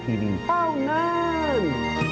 เต้องาน